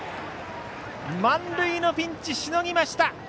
満塁のピンチしのぎました。